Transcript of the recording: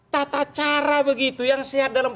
tata cara begitu yang sehat dalam